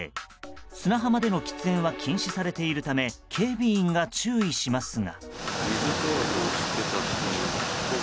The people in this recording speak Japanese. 砂浜での喫煙は禁止されているため警備員が注意しますが。